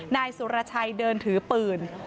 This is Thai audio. นายสุรชัยเดินถือปืน